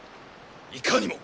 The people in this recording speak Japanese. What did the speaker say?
いかにも。